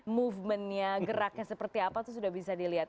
movementnya geraknya seperti apa itu sudah bisa dilihat